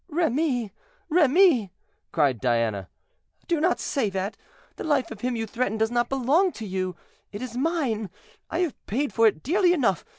"Remy! Remy!" cried Diana, "do not say that. The life of him you threaten does not belong to you—it is mine—I have paid for it dearly enough.